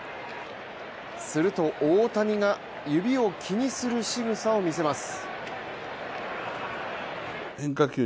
すると大谷が指を気にするしぐさを見せます。